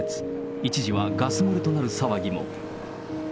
一時はガス漏れとなる騒ぎも。